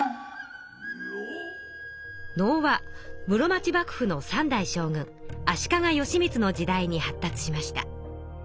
能は室町幕府の３代将軍足利義満の時代に発達しました。